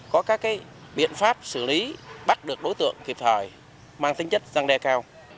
có các biện pháp xử lý bắt được đối tượng kịp thời mang tính chất răng đe cao